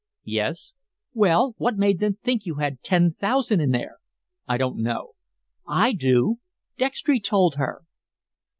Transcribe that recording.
"Yes." "Well, what made them think you had ten thousand in there?" "I don't know." "I do. Dextry told her."